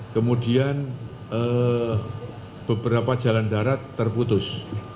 kemudian beberapa jalan darat terputus